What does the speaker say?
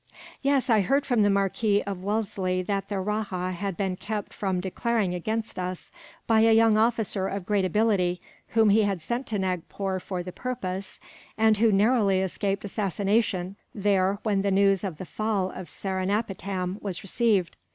"Yes; I heard from the Marquis of Wellesley that the rajah had been kept from declaring against us, by a young officer of great ability, whom he had sent to Nagpore for the purpose, and who narrowly escaped assassination there when the news of the fall of Seringapatam was received.